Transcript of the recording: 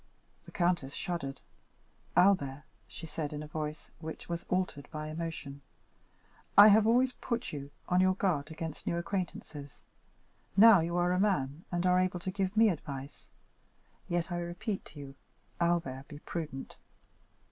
The countess shuddered. "Albert," she said, in a voice which was altered by emotion, "I have always put you on your guard against new acquaintances. Now you are a man, and are able to give me advice; yet I repeat to you, Albert, be prudent."